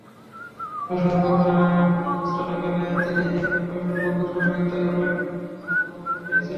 অসহযোগ আন্দোলন চলাকালে তিনি তাঁর কয়েকজন বন্ধুর সহযোগিতায় অনেক হাতবোমা বানিয়েছিলেন।